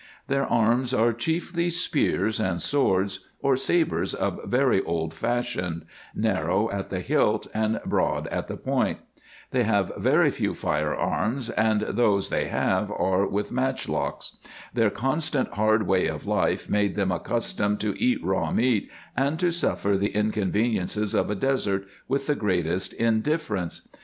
Their arms are chiefly spears, and swords or sabres of very old fashion, narrow at the hilt and broad at the point. They have very IN EGYPT, NUBIA, &c. 313 few firearms, and those they have are with matchlocks. Their con stant hard way of life made them accustomed to eat raw meat, and to suffer the inconveniences of a desert with the greatest indif ference.